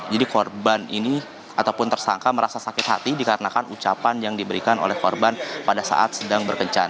jadi korban ini ataupun tersangka merasa sakit hati dikarenakan ucapan yang diberikan oleh korban pada saat sedang berkencan